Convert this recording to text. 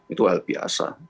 itu hal biasa